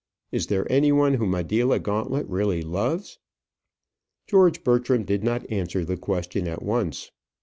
Is there any one whom Adela Gauntlet really loves?" George Bertram did not answer the question at once.